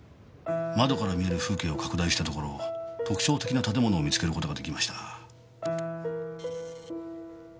窓から見える風景を拡大したところ特徴的な建物を見つける事ができました。